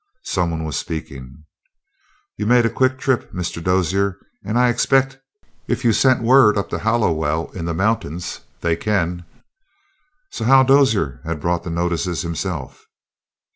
Some one was speaking. "You made a quick trip, Mr. Dozier, and I expect if you send word up to Hallowell in the mountains they can " So Hal Dozier had brought the notices himself.